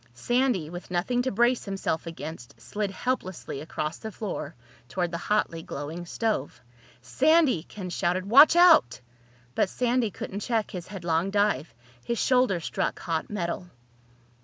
Sandy, with nothing to brace himself against, slid helplessly across the floor toward the hotly glowing stove. "Sandy!" Ken shouted. "Watch out!" But Sandy couldn't check his headlong dive. His shoulder struck hot metal.